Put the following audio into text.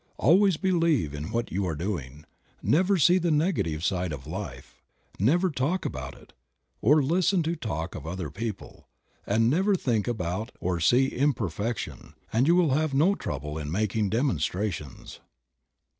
Always believe in what you are doing; never see the negative side of life, never talk about it, or listen to talk of other people, and never think about or see imperfection; and you will have no trouble in making demonstrations.